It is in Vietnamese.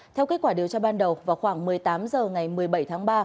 theo kết quả điều tra ban đầu vào khoảng một mươi tám h ngày một mươi bảy tháng ba